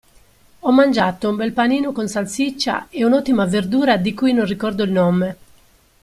Ho mangiato un bel panino con salsiccia e un'ottima verdura di cui non ricordo il nome.